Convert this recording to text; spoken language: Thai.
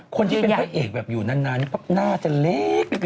คนที่เป็นพระเอกแบบอยู่นานหน้าจะเล็กเนาะ